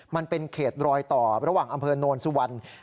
มันเป็นเขตรอยต่อระหว่างอำเภอโนนสุวรรณ